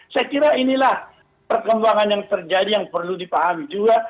saya kira inilah perkembangan yang terjadi yang perlu dipahami juga